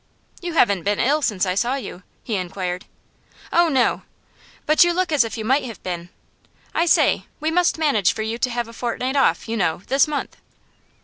'You haven't been ill since I saw you?' he inquired. 'Oh no!' 'But you look as if you might have been. I say, we must manage for you to have a fortnight off, you know, this month.